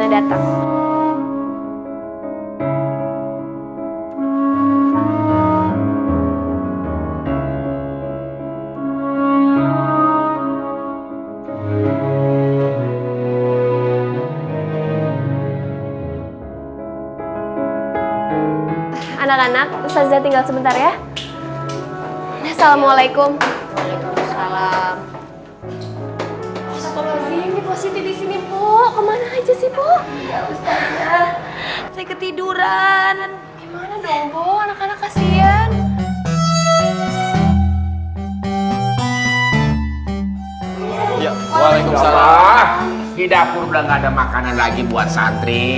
di dapur udah gak ada makanan lagi buat santri